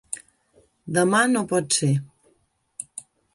Demà no pot ser.